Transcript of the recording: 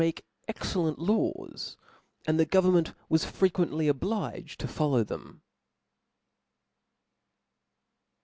make excellent laws, and the government was frequently obliged to follow them.